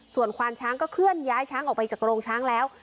ส่วนควานช้างก็เคลื่อนย้ายช้างออกไปจากโรงช้างแล้ว